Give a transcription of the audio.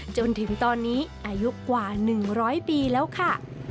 จนถึงตอนนี้อายุกว่า๑๐๐ปีแล้วค่ะ